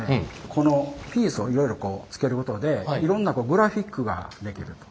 このピースをいろいろつけることでいろんなグラフィックができると。